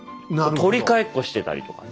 取り替えっこしてたりとかね。